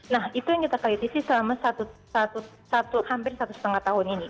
nah itu yang kita kritisi selama hampir satu setengah tahun ini